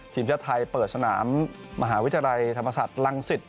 ทีมชาติไทยเปิดสนามมหาวิทยาลัยธรรมศาสตร์รังสิต